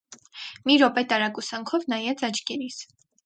Մի րոպե տարակուսանքով նայեց աչքերիս: